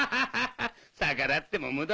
逆らっても無駄だ。